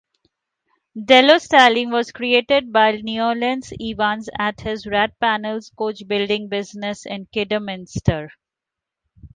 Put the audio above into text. Dellow styling was created by Lionel Evans at his Radpanels coachbuilding business in Kidderminster.